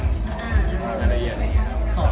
อันตรายเย็น